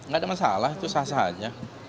gak ada masalah itu sah sah aja